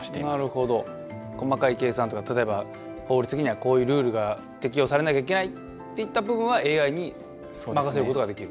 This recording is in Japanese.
細かい計算とか例えば法律的なこういうルールが適用されなきゃいけないっていった部分はＡＩに任せることができる？